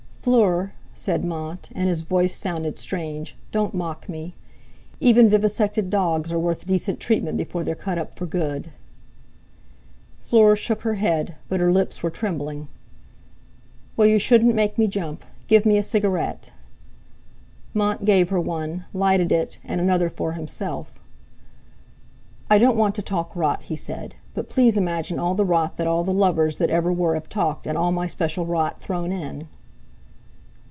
"Fleur," said Mont, and his voice sounded strange, "don't mock me! Even vivisected dogs are worth decent treatment before they're cut up for good." Fleur shook her head; but her lips were trembling. "Well, you shouldn't make me jump. Give me a cigarette." Mont gave her one, lighted it, and another for himself. "I don't want to talk rot," he said, "but please imagine all the rot that all the lovers that ever were have talked, and all my special rot thrown in."